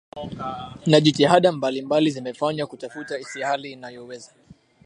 na jitihada mbalimbali zimefanywa kutafuta istilahi inayoweza